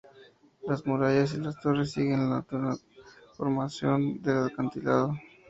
Las murallas y las torres siguen la natural conformación del acantilado.